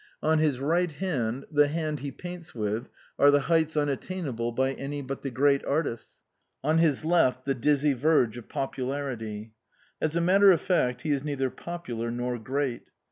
On his right hand, the hand he paints with, are the heights unattainable by any but the great artists ; on his left, the dizzy verge of popularity. As a matter of fact, he is neither popular nor great.